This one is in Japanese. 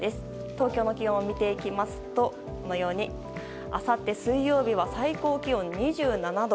東京の気温を見ていきますとあさって水曜日は最高気温２７度。